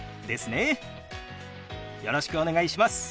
よろしくお願いします。